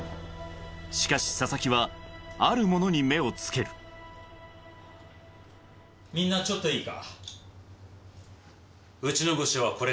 しかし佐々木はあるものに目を付けるみんなちょっといいか。